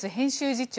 次長